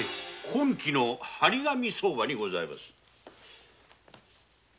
今期の張紙相場にございます。